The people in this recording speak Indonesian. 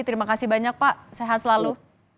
terima kasih banyak pak sehat selalu